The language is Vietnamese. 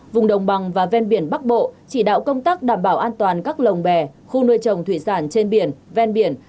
vùng đồng bằng và ven biển bắc bộ chỉ đạo công tác đảm bảo an toàn các lồng bè khu nuôi trồng thủy sản trên biển ven biển